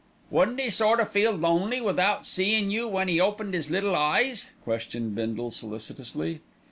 "Wouldn't 'e sort o' feel lonely without seein' you when 'e opened 'is little eyes?" questioned Bindle solicitously.